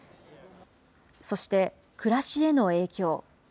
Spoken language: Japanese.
そして、暮らしへの影響。